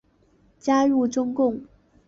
加入中共。